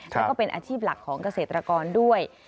แล้วก็เป็นอาชีพหลักของเกษตรกรด้วย